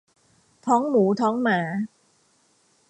ท้องหมูท้องหมา